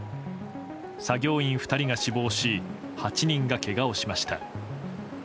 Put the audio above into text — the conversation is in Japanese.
作業員２人が死亡し８人がけがをしました。